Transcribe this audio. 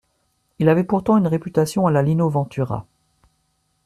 Il avait pourtant une réputation à la Lino Ventura